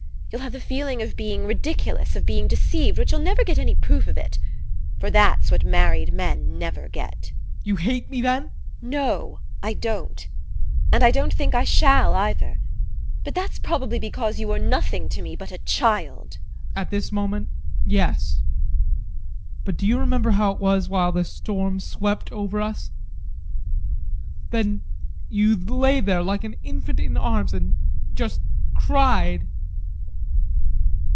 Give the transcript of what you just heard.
You'll have the feeling of being ridiculous, of being deceived, but you'll never get any proof of it. For that's what married men never get. ADOLPH. You hate me then? TEKLA. No, I don't. And I don't think I shall either. But that's probably because you are nothing to me but a child. ADOLPH. At this moment, yes. But do you remember how it was while the storm swept over us? Then you lay there like an infant in arms and just cried.